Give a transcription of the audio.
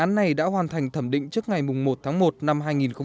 dự án này đã hoàn thành thẩm định trước ngày một tháng một năm hai nghìn một mươi chín